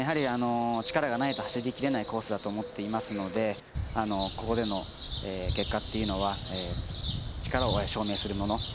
力がないと走りきれないコースだと思っていますのでここでの結果というのは力を証明するもの。